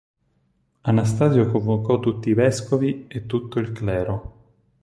Anastasio convocò tutti i vescovi e tutto il clero.